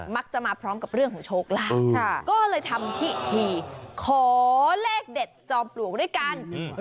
มักจะมาพร้อมกับเรื่องของโชคลาภก็เลยทำพิธีขอเลขเด็ดจอมปลวกด้วยกัน